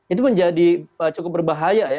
itu menjadi cukup berbahaya ya